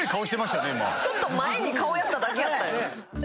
ちょっと前に顔やっただけやったよ。